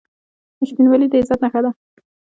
• رښتینولي د عزت نښه ده.